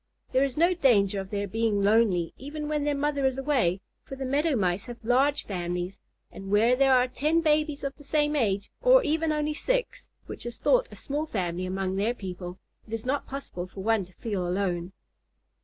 There is no danger of their being lonely, even when their mother is away, for the Meadow Mice have large families, and where there are ten babies of the same age, or even only six, which is thought a small family among their people, it is not possible for one to feel alone.